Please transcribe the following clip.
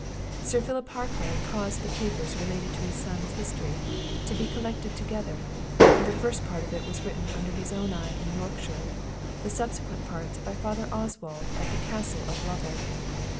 Sir Philip Harclay caused the papers relating to his son's history to be collected together; the first part of it was written under his own eye in Yorkshire, the subsequent parts by Father Oswald at the Castle of Lovel.